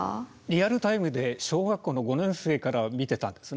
リアルタイムで小学校の５年生から見てたんですね。